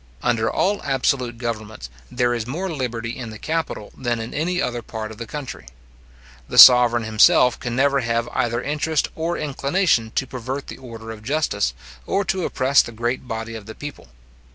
Under all absolute governments, there is more liberty in the capital than in any other part of the country. The sovereign himself can never have either interest or inclination to pervert the order of justice, or to oppress the great body of the people.